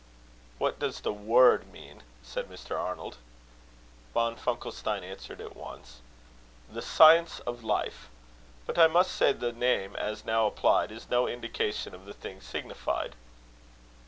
"What does the word mean?" said Mr. Arnold. Von Funkelstein answered at once: "The science of life. But I must say, the name, as now applied, is no indication of the thing signified."